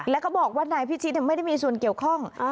แล้วก็บอกว่านายพิชิตไม่ได้มีส่วนเกี่ยวข้อง